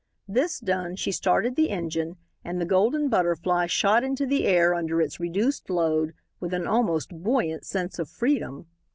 This done, she started the engine, and the Golden Butterfly shot into the air under its reduced load with an almost buoyant sense of freedom.